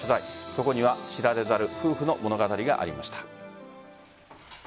そこには知られざる夫婦の物語がありました。